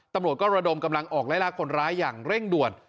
ตำรวจก็ระดมกำลังออกไล่ลากคนร้ายอย่างเร่งด่วน